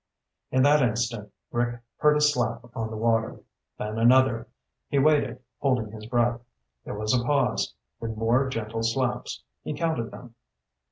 In that instant, Rick heard a slap on the water, then another. He waited, holding his breath. There was a pause, then more gentle slaps. He counted them.